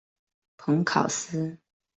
蓬考斯。